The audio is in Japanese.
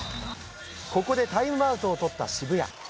ここでタイムアウトをとった渋谷。